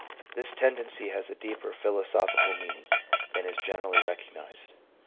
This tendency has a deeper philosophical mean ing than is generally recognized.